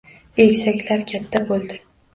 Egizaklar katta bo`ldi